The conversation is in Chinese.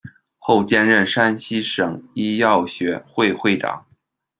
后兼任山西省医药学会会长。